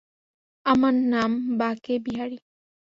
আমার নাম বাঁকে বিহারি।